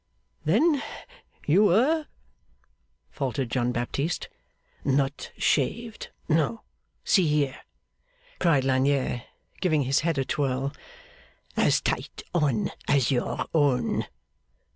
'Then you were ' faltered John Baptist. 'Not shaved? No. See here!' cried Lagnier, giving his head a twirl; 'as tight on as your own.